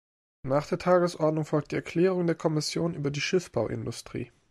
Nach der Tagesordnung folgt die Erklärung der Kommission über die Schiffbauindustrie.